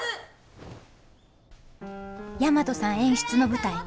大和さん演出の舞台